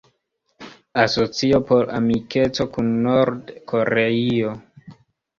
Asocio por Amikeco kun Nord-Koreio.